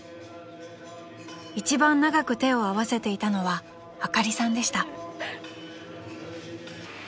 ［一番長く手を合わせていたのはあかりさんでした］